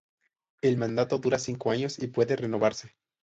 El mandato dura cinco años y puede renovarse.